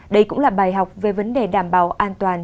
đây cũng là bài học về vấn đề đảm bảo an toàn